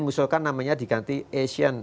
mengusulkan namanya diganti asean